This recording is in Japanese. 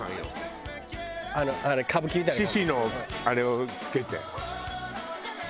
獅子のあれを着けて。